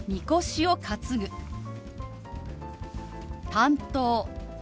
「担当」。